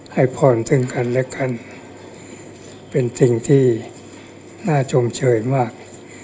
ให้พรซึ่งกันและกันเป็นสิ่งที่น่าชมเชยมาก